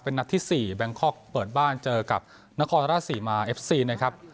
นัดที่๔แบงคอกเปิดบ้านเจอกับนครราชศรีมาเอฟซีนะครับ